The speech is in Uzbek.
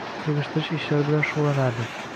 Yig‘ishtirish ishlari bilan shug‘ullanardik.